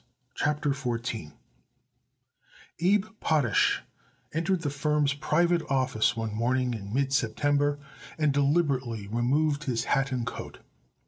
CHAPTER XIV Abe Potash entered the firm's private office one morning in mid September and deliberately removed his hat and coat.